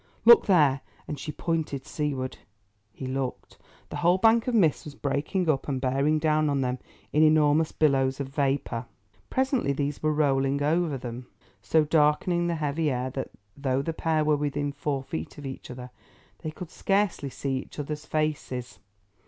Look there," and she pointed seaward. He looked. The whole bank of mist was breaking up and bearing down on them in enormous billows of vapour. Presently, these were rolling over them, so darkening the heavy air that, though the pair were within four feet of each other, they could scarcely see one another's faces.